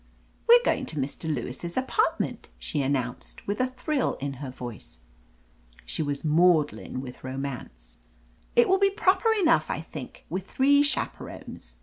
*'We're going to Mr. Lewis' apartment," she announced, with a thrill in her voice. She was maudlin with romance. "It will be proper enough, I think, with three chaperons.